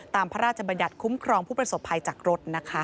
พระราชบัญญัติคุ้มครองผู้ประสบภัยจากรถนะคะ